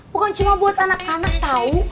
bukan cuma buat anak anak tahu